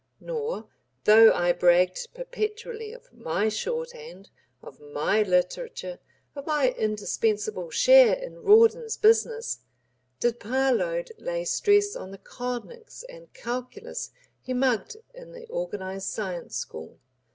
Nor, though I bragged perpetually of my shorthand, of my literature, of my indispensable share in Rawdon's business, did Parload lay stress on the conics and calculus he "mugged" in the organized science school.